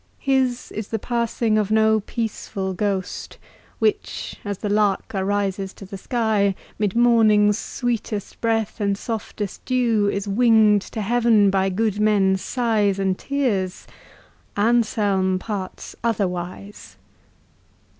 His is the passing of no peaceful ghost, Which, as the lark arises to the sky, 'Mid morning's sweetest breeze and softest dew, Is wing'd to heaven by good men's sighs and tears!— Anselm parts otherwise.